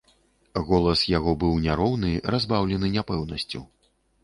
Голас у яго быў няроўны, разбаўлены няпэўнасцю.